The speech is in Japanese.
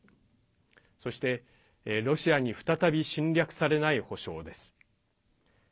そして、ロシアに再び侵略されない保証です。